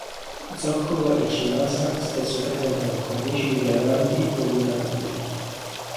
Zoccolo e cimasa spesso presentano cornici digradanti o modanature.